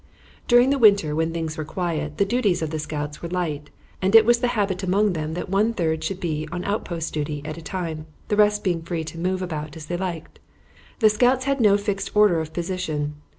During the winter, when things were quiet, the duties of the scouts were light, and it was the habit among them that one third should be on outpost duty at a time, the rest being free to move about as they liked. The scouts had no fixed order of position.